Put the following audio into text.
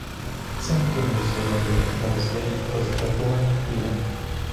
Син кинувсь до неї, мов злий, роздратований півень.